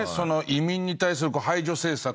移民に対する排除政策。